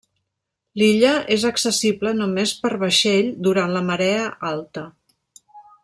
L'illa és accessible només per vaixell durant la marea alta.